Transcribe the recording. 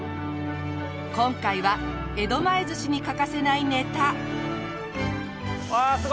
今回は江戸前寿司に欠かせないネタ。